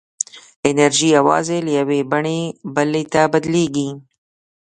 انرژي یوازې له یوې بڼې بلې ته بدلېږي.